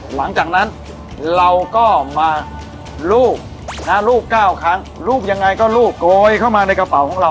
หลังจากนั้นเราก็มาลูบลูก๙ครั้งลูกยังไงก็ลูกโกยเข้ามาในกระเป๋าของเรา